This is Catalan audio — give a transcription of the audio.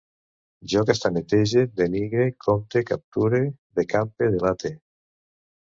Jo castanyetege, denigre, compte, capture, decampe, delate